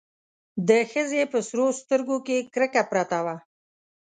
د ښځې په سرو سترګو کې کرکه پرته وه.